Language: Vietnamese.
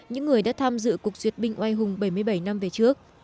những người đã tham dự cuộc duyệt binh oai hùng bảy mươi bảy năm về trước